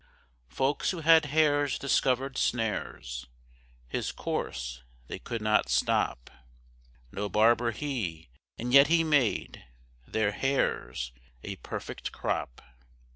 Folks who had hares discovered snares His course they could not stop: No barber he, and yet he made Their hares a perfect crop.